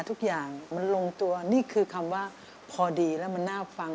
ทุกอย่างมันลงตัวนี่คือคำว่าพอดีแล้วมันน่าฟัง